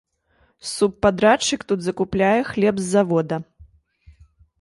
Субпадрадчык тут закупляе хлеб з завода.